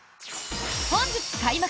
本日開幕！